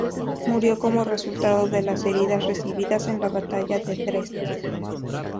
Murió como resultado de las heridas recibidas en la Batalla de Dresde.